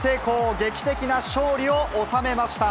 劇的な勝利を収めました。